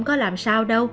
có làm sao đâu